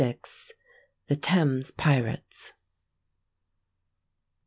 THE THAMES PIRATES.